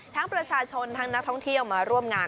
ประชาชนทั้งนักท่องเที่ยวมาร่วมงาน